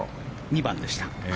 ２番でした。